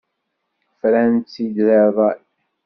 Fran-tt-id deg ṛṛay.